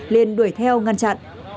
liền đuổi theo ngăn chặn